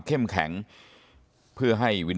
ท่านผู้ชมครับ